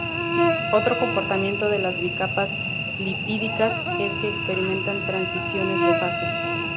Otro comportamiento de las bicapas lipídicas es que experimentan transiciones de fase.